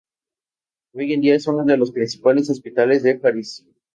Hoy en día es uno de los principales hospitales de París.